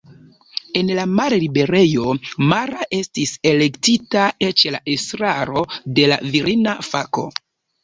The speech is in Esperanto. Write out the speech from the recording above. En la malliberejo Mara estis elektita eĉ la estraro de la virina fako.